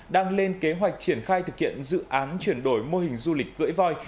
đang lên kế hoạch triển khai thực hiện dự án chuyển đổi mô hình du lịch cưỡi voi